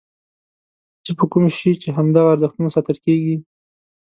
چې په کوم شي چې همدغه ارزښتونه ساتل کېږي.